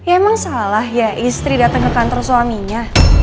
emang salah ya istri datang ke kantor suaminya